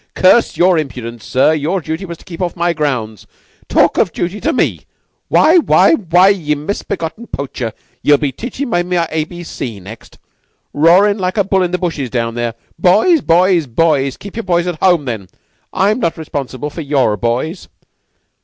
Curse your impudence, sir. Your duty was to keep off my grounds. Talk of duty to me! Why why why, ye misbegotten poacher, ye'll be teaching me my A B C next! Roarin' like a bull in the bushes down there! Boys? Boys? Boys? Keep your boys at home, then! I'm not responsible for your boys!